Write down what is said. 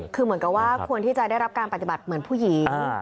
คือเหมือนกับว่าควรที่จะได้รับการปฏิบัติเหมือนผู้หญิง